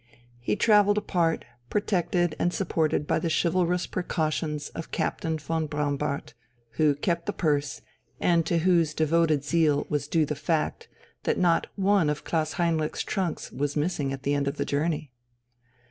He travelled apart, protected and supported by the chivalrous precautions of Captain von Braunbart, who kept the purse, and to whose devoted zeal was due the fact that not one of Klaus Heinrich's trunks was missing at the end of the journey.